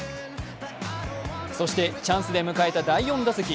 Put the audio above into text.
そしてチャンスで迎えた第４打席。